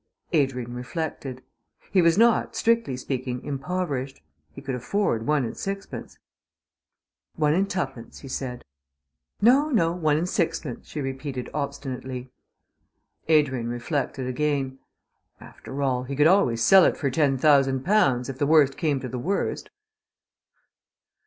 Adrian reflected. He was not, strictly speaking, impoverished. He could afford one and sixpence. "One and tuppence," he said. "No, no, one and sixpence," she repeated obstinately. Adrian reflected again. After all, he could always sell it for ten thousand pounds, if the worst came to the worst.